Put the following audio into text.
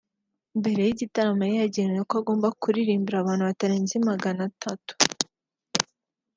Mbere y’igitaramo yari yaragennye ko agomba kuririmbira abantu batarenze magana atatu